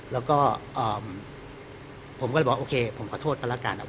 แล้วก็ผมก็บอกโอเคผมขอโทษปราการ